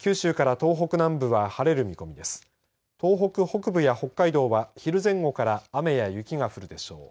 東北北部や北海道は、昼前後から雨や雪が降るでしょう。